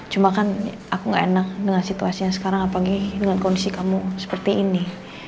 cuma kan aku gak enak dengan situasi yang sekarang apalagi dengan kondisi kamu seperti ini